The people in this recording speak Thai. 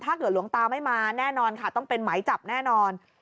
หลวงตาไม่มาแน่นอนค่ะต้องเป็นไหมจับแน่นอน